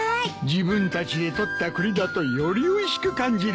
自分たちでとった栗だとよりおいしく感じるな。